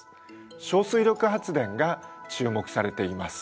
「小水力発電」が注目されています。